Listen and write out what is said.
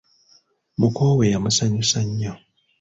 Muko we yamusanyusa nnyo.